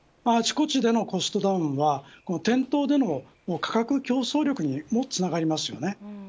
あちこちでのコストダウンは店頭での価格競争力にもつながります。